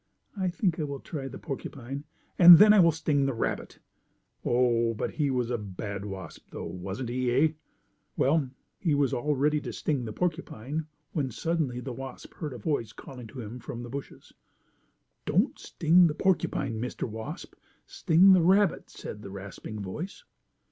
I think I will try the porcupine, and then I will sting the rabbit." Oh, but he was a bad wasp, though; wasn't he, eh? Well, he was all ready to sting the porcupine, when suddenly the wasp heard a voice calling to him from the bushes. "Don't sting the porcupine, Mr. Wasp, sting the rabbit," said the rasping voice.